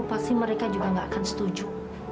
pasti mereka juga nggak akan setuju